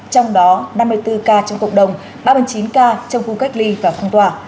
trong đó năm mươi bốn ca trong cộng đồng ba mươi chín ca trong khu cách ly và phong tỏa